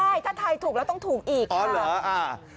ไม่ได้ถ้าถ่ายถูกแล้วต้องถูกอีกค่ะ